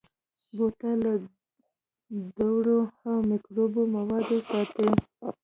بوتل له دوړو او مکروبي موادو ساتي.